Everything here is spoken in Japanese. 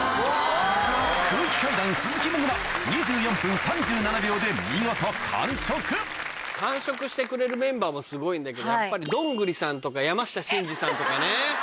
空気階段・鈴木もぐら完食してくれるメンバーもすごいんだけどやっぱりどんぐりさんとか山下真司さんとかね。